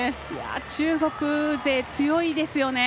中国勢、強いですよね。